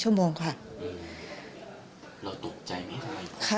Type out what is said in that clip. เราตกใจไม่ได้ค่ะ